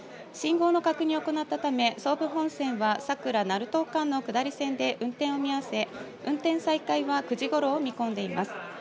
信号の確認を行ったため、総武本線は佐倉・成東間の間で、運転を見合わせ、運転再開は９時ごろを見込んでいます。